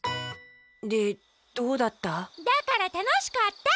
でどうだった？